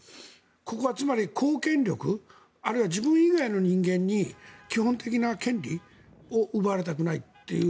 ここはつまり、公権力あるいは自分以外の人間に基本的な権利を奪われたくないという。